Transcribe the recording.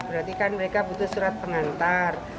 berarti kan mereka butuh surat pengantar